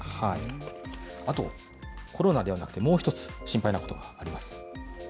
あと、コロナではなくてもう一つ心配なことがあります。